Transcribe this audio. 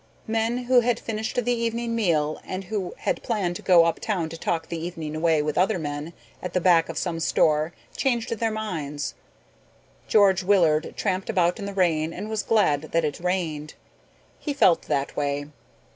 Men who had finished the evening meal and who had planned to go uptown to talk the evening away with other men at the back of some store changed their minds. George Willard tramped about in the rain and was glad that it rained. He felt that way.